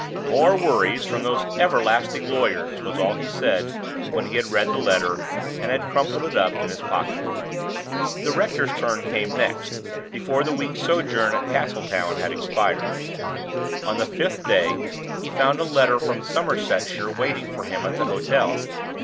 "More worries from those everlasting lawyers," was all he said, when he had read the letter, and had crumpled it up in his pocket. The rector's turn came next, before the week's sojourn at Castletown had expired. On the fifth day he found a letter from Somersetshire waiting for him at the hotel.